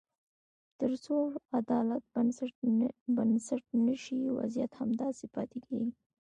تر څو عدالت بنسټ نه شي، وضعیت همداسې پاتې کېږي.